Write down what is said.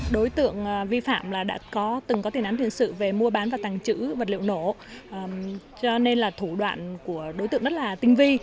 đối tượng vi phạm là đã có từng có tiền án tiền sự về mua bán và tàng trữ vật liệu nổ cho nên là thủ đoạn của đối tượng rất là tinh vi